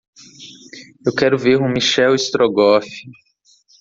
Eu quero ver o Michel Strogoff